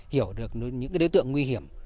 hiểu được những đối tượng nguy hiểm